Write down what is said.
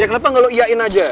ya kenapa gak lo iain aja